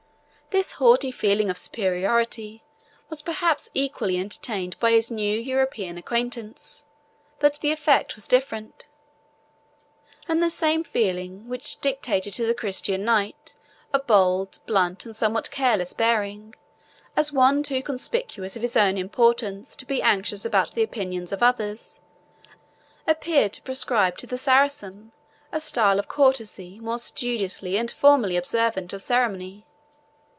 This haughty feeling of superiority was perhaps equally entertained by his new European acquaintance, but the effect was different; and the same feeling, which dictated to the Christian knight a bold, blunt, and somewhat careless bearing, as one too conscious of his own importance to be anxious about the opinions of others, appeared to prescribe to the Saracen a style of courtesy more studiously and formally observant of ceremony.